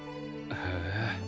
へえ。